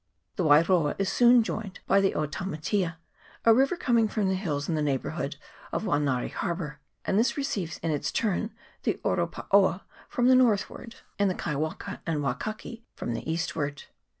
The Wairoa is soon joined by the Otamatea, a river coming from the hills in the neighbourhood of Wangari harbour, and this receives in its turn the Oropaoa from the northward, and the Kaiwaka 266 KAIPARA RIVER. [PART II. and Wakaki from the eastward.